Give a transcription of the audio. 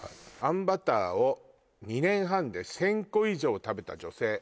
「あんバターを２年半で１０００個以上食べた女性」